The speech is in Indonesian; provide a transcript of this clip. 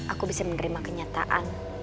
aku bisa menerima kenyataan